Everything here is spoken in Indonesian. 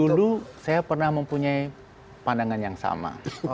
dulu saya pernah mempunyai pandangan yang sama